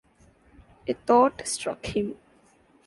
A thought struck him.